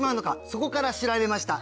そこから調べました